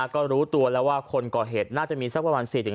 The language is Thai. ก็รู้ตัวแล้วว่าคนก่อเหตุน่าจะมีสักประมาณ๔๕